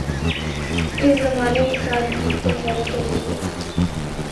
اس زمانے دی سادگی تے حیرت ہوندی اے۔